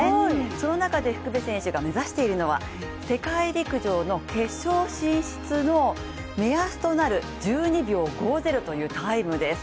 その中で福部選手が目指しているのは、世界陸上の決勝進出の目安となる１２秒５０というタイムです。